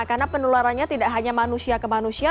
karena pendularannya tidak hanya manusia ke manusia